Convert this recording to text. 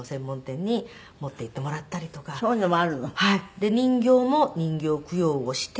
で人形も人形供養をして。